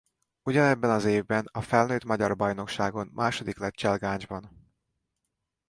Ugyanebben az évben a felnőtt magyar bajnokságon második lett cselgáncsban.